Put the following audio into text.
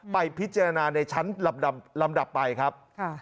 ไปพิจารณาในชั้นลำดับไปครับ